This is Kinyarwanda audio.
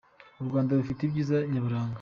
U Rwanda rufite ibyiza nyaburanga.